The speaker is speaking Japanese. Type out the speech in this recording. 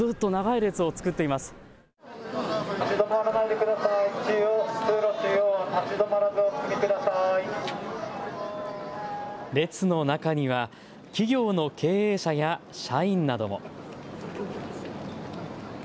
列の中には企業の経営者や社員なども。